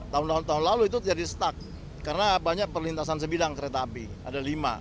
tahun tahun lalu itu jadi stuck karena banyak perlintasan sebidang kereta api ada lima